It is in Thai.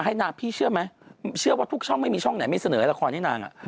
ให้นางพี่เชื่อไหมเชื่อว่าทุกช่องไม่มีช่องไหนไม่เสนอละครให้นาง